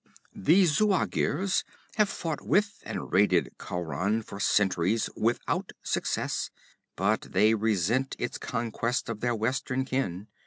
'The Zuagirs have fought with and raided Khauran for centuries, without success, but they resent its conquest by their western kin.